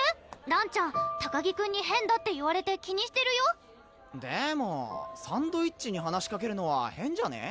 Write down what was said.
らんちゃん高木くんに変だって言われて気にしてるよでもサンドイッチに話しかけるのは変じゃね？